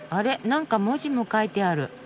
何か文字も書いてある。